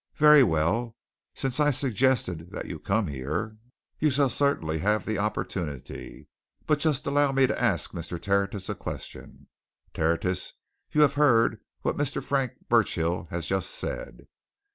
"Very well since I suggested that you should come here, you shall certainly have the opportunity. But just allow me to ask Mr. Tertius a question Tertius, you have heard what Mr. Frank Burchill has just said?"